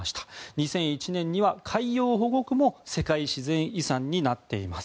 ２００１年には海洋保護区も世界自然遺産になっています。